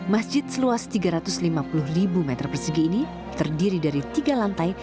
masjid seluas tiga ratus lima puluh ribu meter persegi ini terdiri dari tiga lantai